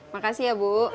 makasih ya bu